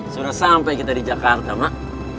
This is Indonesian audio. sudah sampai kita di jakarta mak